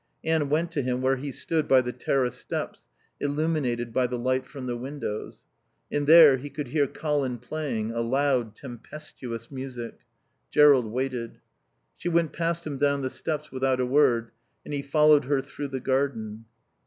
Anne went to him where he stood by the terrace steps, illuminated by the light from the windows. In there she could hear Colin playing, a loud, tempestuous music. Jerrold waited. She went past him down the steps without a word, and he followed her through the garden.